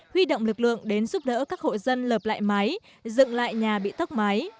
huy động lực lượng đến giúp đỡ các hội dân lợp lại máy dựng lại nhà bị tấc máy